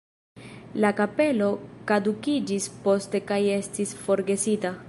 La kapelo kadukiĝis poste kaj estis forgesita.